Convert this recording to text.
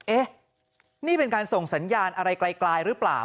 เอ๊ะนี่เป็นการส่งสัญญาณอะไรไกลหรือเปล่า